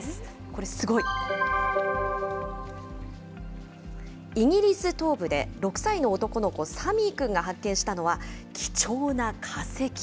これ、すごい。イギリス東部で、６歳の男の子、サミーくんが発見したのは、貴重な化石。